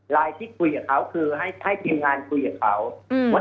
ที่คุยกับเขาคือให้ทีมงานคุยกับเขาว่า